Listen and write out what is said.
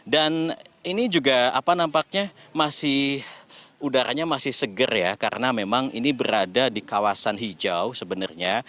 dan ini juga apa nampaknya masih udaranya masih seger ya karena memang ini berada di kawasan hijau sebenarnya